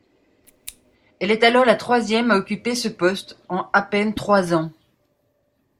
Elle est alors la troisième à occuper ce poste en à peine trois ans.